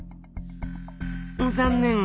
残念。